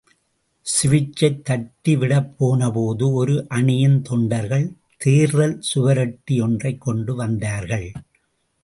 ஸ்விட்சை, தட்டிவிடப்போனபோது, ஒரு அணியின் தொண்டர்க்ள் தேர்தல் சுவரொட்டி ஒன்றைக் கொண்டு வந்தார்கள்.